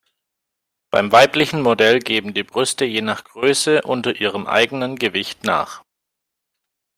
Beim weiblichen Modell geben die Brüste je nach Größe unter ihrem eigenen Gewicht nach.